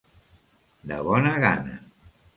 De bona gana.